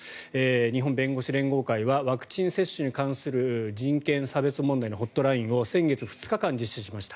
日本弁護士連合会はワクチン接種に関する人権・差別問題のホットラインを先月２日間実施しました。